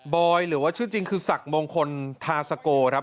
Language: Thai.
อยหรือว่าชื่อจริงคือศักดิ์มงคลทาสโกครับ